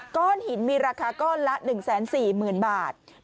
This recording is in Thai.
ก้อนหินมีราคาก้อนละ๑๔๐๐๐บาท